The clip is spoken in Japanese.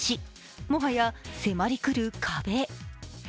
もはや迫り来る壁。